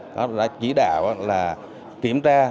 đó là chỉ đạo là kiểm tra